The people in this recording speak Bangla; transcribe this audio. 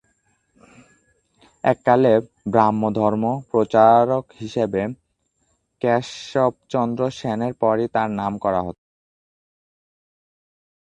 এককালে ব্ৰাহ্মধর্ম-প্রচারক হিসাবে কেশবচন্দ্র সেনের পরই তার নাম করা হত।